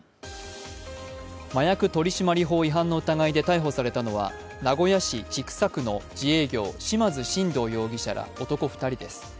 麻薬取り締まり法違反の疑いで逮捕されたのは、名古屋市千種区の自営業、島津真道容疑者ら男２人です。